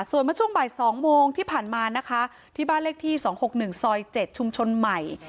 ส่วนเมื่อช่วงบ่าย๒โมงที่ผ่านมานะคะที่บ้านเลขที่๒๖๑ซอย๗ชุมชนใหม่